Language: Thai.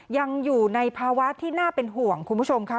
ยังอยู่ในภาวะที่น่าเป็นห่วงคุณผู้ชมค่ะ